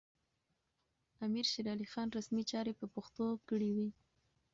امیر شېرعلي خان رسمي چارې په پښتو کړې وې.